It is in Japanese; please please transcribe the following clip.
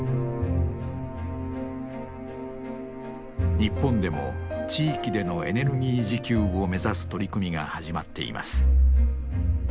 日本でも地域でのエネルギー自給を目指す取り組みが始まっています。